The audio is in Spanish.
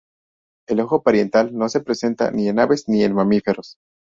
El ojo parietal no se presenta ni en aves ni en mamíferos.